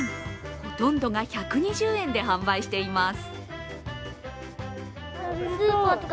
ほとんどが１２０円で販売しています